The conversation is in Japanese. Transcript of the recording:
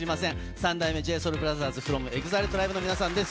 三代目ＪＳＯＵＬＢＲＯＴＨＥＲＳｆｒｏｍＥＸＩＬＥＴＲＩＢＥの皆さんです。